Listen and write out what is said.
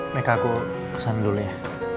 maika aku kesana dulu ya